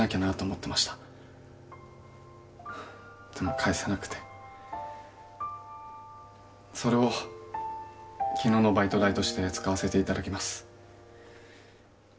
返せなくてそれを昨日のバイト代として使わせていただきます